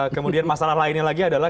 kemudian masalah lainnya lagi adalah